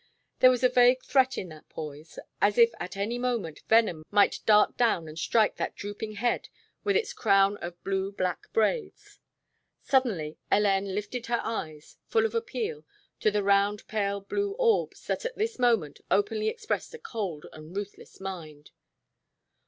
There was a vague threat in that poise, as if at any moment venom might dart down and strike that drooping head with its crown of blue black braids. Suddenly Hélène lifted her eyes, full of appeal, to the round pale blue orbs that at this moment openly expressed a cold and ruthless mind.